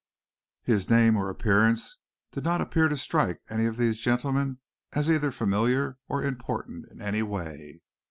His name or appearance did not appear to strike any of these gentlemen as either familiar or important in any way.